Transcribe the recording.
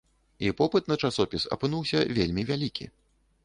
І попыт на часопіс апынуўся вельмі вялікі.